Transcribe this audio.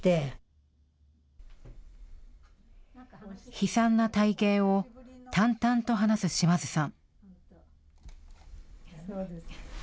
悲惨な体験を淡々と話す島津さん。